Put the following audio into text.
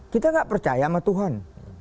kita gak percaya sama tuhan